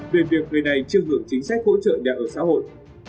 về việc người này chưa hưởng chính sách hỗ trợ nhà ở xã hội